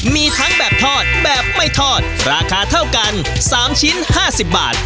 มีทั้งแบบทอดแบบไม่ทอดราคาเท่ากัน๓ชิ้น๕๐บาท